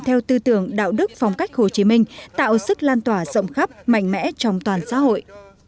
theo tư tưởng đạo đức phong cách hồ chí minh tạo sức lan tỏa rộng khắp mạnh mẽ trong toàn xã hội